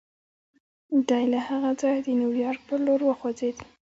دی له هغه ځايه د نيويارک پر لور وخوځېد.